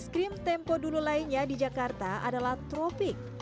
es krim tempoh dulu lainnya di jakarta adalah tropic